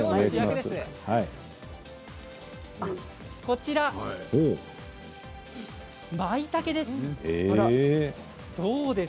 こちら、まいたけです。